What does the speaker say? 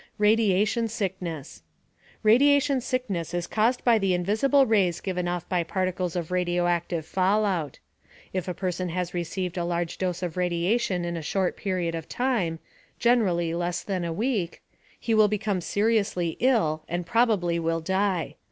RADIATION SICKNESS Radiation sickness is caused by the invisible rays given off by particles of radioactive fallout. If a person has received a large dose of radiation in a short period of time generally, less than a week he will become seriously ill and probably will die.